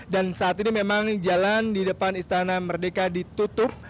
dan saat ini memang jalan di depan istana merdeka ditutup